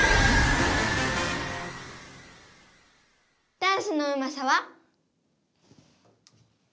ダンスのうまさは？